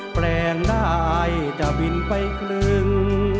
แปลงได้จะบินไปครึ่ง